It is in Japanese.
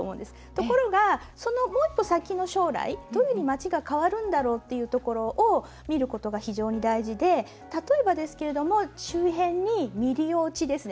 ところが、そのもっと先の将来どういうふうに街が変わるんだろうというところを見ることが非常に大事で例えば、周辺に未利用地ですね。